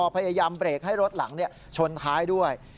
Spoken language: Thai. พยายามเบรกให้รถหลังชนท้ายด้วย